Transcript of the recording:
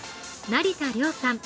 成田凌さん